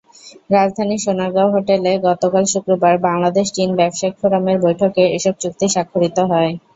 রাজধানীর সোনারগাঁও হোটেলে গতকাল শুক্রবার বাংলাদেশ-চীন ব্যবসায়িক ফোরামের বৈঠকে এসব চুক্তি স্বাক্ষরিত হয়।